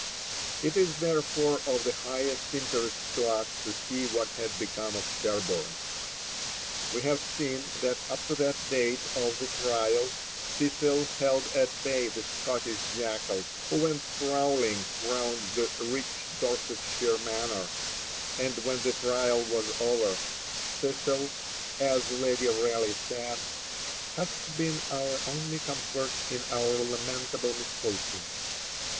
It is therefore of the highest interest to us to see what had become of Sherborne. We have seen that up to the date of the trial Cecil held at bay the Scottish jackals who went prowling round the rich Dorsetshire manor; and when the trial was over, Cecil, as Lady Raleigh said, 'hath been our only comfort in our lamentable misfortune.'